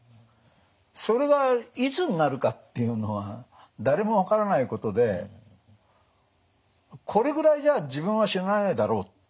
それがいつになるかっていうのは誰も分からないことでこれぐらいじゃ自分は死なないだろうって